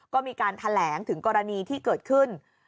ก็มีการแถลงถึงกรณีที่เกิดขึ้น